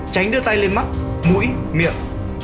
tránh đưa tay lên mắt mũi miệng